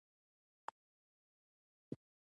ملک قادر کاکا پوره شپېته کاله ملکي او مشرتوب کړی.